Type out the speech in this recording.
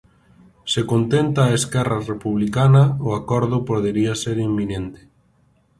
Se contenta a Esquerra Republicana, o acordo podería ser inminente.